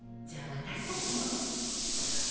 じゃあ私たちも。